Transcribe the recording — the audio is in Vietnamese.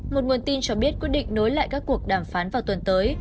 một nguồn tin cho biết quyết định nối lại các cuộc đàm phán vào tuần tới